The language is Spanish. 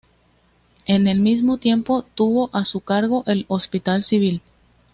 En el mismo tiempo tuvo a su cargo el Hospital Civil.